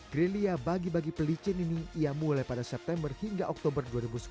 grilia bagi bagi pelicin ini ia mulai pada september hingga oktober dua ribu sepuluh